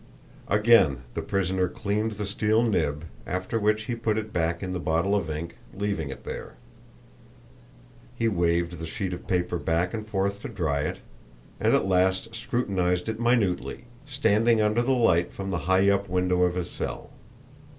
Again the prisoner cleaned the steel nib, after which he put it back in the bottle of ink, leaving it there. He waved the sheet of paper back and forth to dry it, and at last scrutinized it minutely, standing under the light from the high up window of his cell.